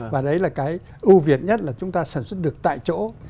và đấy là cái ưu việt nhất là chúng ta sản xuất được tại chỗ